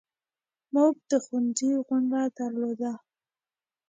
موږ د ښوونځي غونډه درلوده.